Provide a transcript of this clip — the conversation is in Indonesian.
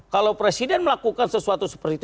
kalau presiden melakukan sesuatu seperti itu